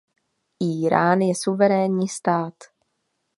Írán je suverénní stát.